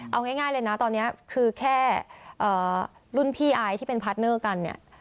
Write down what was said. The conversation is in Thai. เอาง่ายเลยนะตอนนี้คือแค่รุ่นพี่อายที่เป็นพาร์ทเนอร์กันเนี่ย